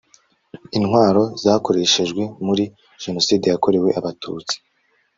intwaro zakoreshejwe muri jenoside yakorewe abatutsi